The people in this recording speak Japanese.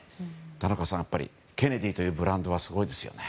田中さん、ケネディというブランドはすごいですよね。